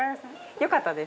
よかったです。